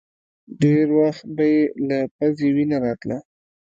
ډېر وخت به يې له پزې وينه راتله.